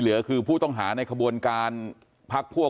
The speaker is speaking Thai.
ซึ่งแต่ละคนตอนนี้ก็ยังให้การแตกต่างกันอยู่เลยว่าวันนั้นมันเกิดอะไรขึ้นบ้างนะครับ